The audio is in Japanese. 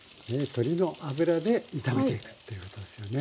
鶏の脂で炒めていくっていうことですよね。